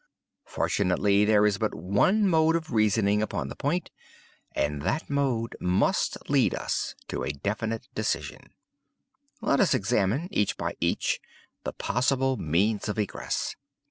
Fortunately, there is but one mode of reasoning upon the point, and that mode must lead us to a definite decision. Let us examine, each by each, the possible means of egress.